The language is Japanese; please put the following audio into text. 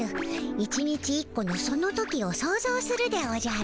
１日１個のその時を想ぞうするでおじゃる。